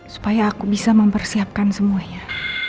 supaya aku bisa mempersiapkan semuanya